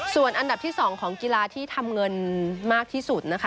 ส่วนอันดับที่๒ของกีฬาที่ทำเงินมากที่สุดนะคะ